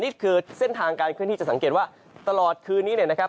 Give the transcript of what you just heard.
นี่คือเส้นทางการเคลื่อนที่จะสังเกตว่าตลอดคืนนี้เนี่ยนะครับ